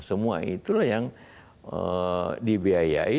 semua itulah yang dibiayai